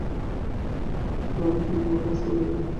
ভ্রমই ভ্রমকে নষ্ট করে দেয়।